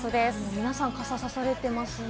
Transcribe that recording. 皆さん、傘をさされていますね。